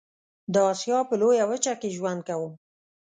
د آسيا په لويه وچه کې ژوند کوم.